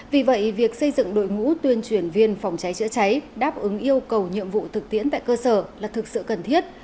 vì vậy việc xây dựng đội ngũ tuyên truyền viên phòng cháy chữa cháy đáp ứng yêu cầu nhiệm vụ thực tiễn tại cơ sở là thực sự cần thiết